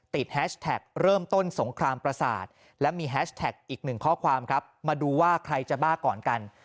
แฮชแท็กเริ่มต้นสงครามประสาทและมีแฮชแท็กอีกหนึ่งข้อความครับมาดูว่าใครจะบ้าก่อนกัน